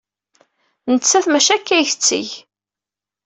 Nettat maci akka ay tetteg.